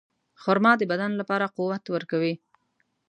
خرما د بدن لپاره قوت ورکوي.